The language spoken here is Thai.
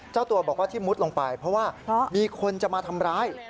เจ้าตัวบอกว่าที่มุดลงไปเพราะว่ามีคนจะมาทำร้าย